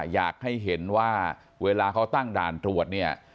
อยากให้เห็นว่าเวลาเขาตั้งด่านตรวจเนี่ย